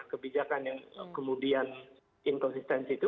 kebijakan yang kemudian inkonsistensi itu